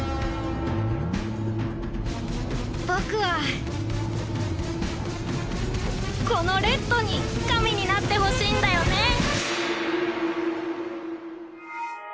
僕はこのレッドに神になってほしいんだよね